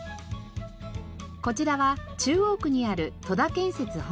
こちらは中央区にある戸田建設本社。